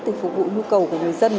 để phục vụ nhu cầu của người dân